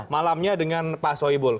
malamnya dengan pak soebul